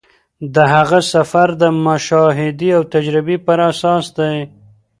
د هغه سفر د مشاهدې او تجربې پر اساس دی.